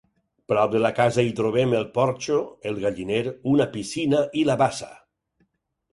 Prop de la casa hi trobem el porxo, el galliner, una piscina i la bassa.